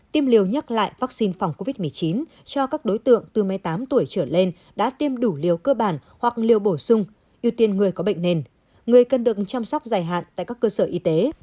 tiêm liều nhắc lại vaccine phòng covid một mươi chín cho các đối tượng từ một mươi tám tuổi trở lên đã tiêm đủ liều cơ bản hoặc liều bổ sung ưu tiên người có bệnh nền người cần được chăm sóc dài hạn tại các cơ sở y tế